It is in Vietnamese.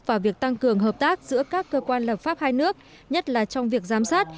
và việc tăng cường hợp tác giữa các cơ quan lập pháp hai nước nhất là trong việc giám sát